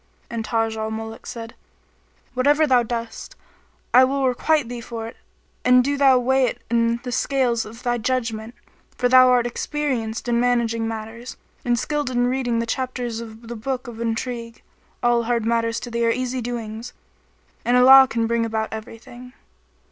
And Taj al Muluk said, "Whatever thou dost, I will requite thee for it and do thou weigh it in the scales of thy judgement, for thou art experienced in managing matters, and skilled in reading the chapters of the book of intrigue: all hard matters to thee are easy doings; and Allah can bring about everything."